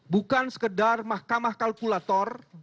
bukan sekedar mahkamah kalkulator